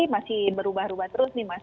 masih berubah ubah terus nih mas